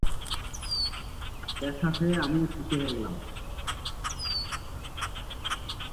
দেখা হয়ে আমিও খুশি হলাম।